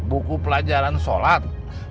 buku pelajaran sholat